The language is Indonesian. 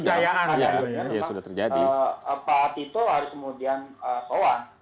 tidak ada yang bisa mengatakan bahwa pak tito harus kemudian soal